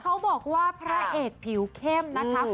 เขาบอกว่าพระเอกผิวเข้มนะคะ